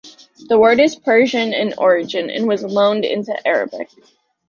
The word is Persian in origin, and was loaned into Arabic.